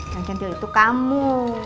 nah cantil itu kamu